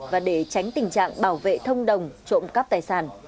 và để tránh tình trạng bảo vệ thông đồng trộm cắp tài sản